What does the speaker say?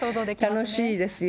楽しいですよ？